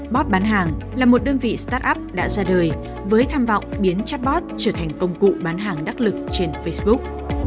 bot bán hàng là một đơn vị start up đã ra đời với tham vọng biến chatbot trở thành công cụ bán hàng đắc lực trên facebook